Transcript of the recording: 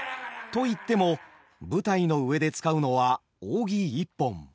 といっても舞台の上で使うのは扇一本。